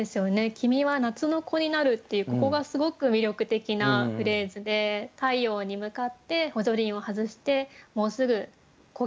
「君は夏の子になる」っていうここがすごく魅力的なフレーズで太陽に向かって補助輪を外してもうすぐこぎ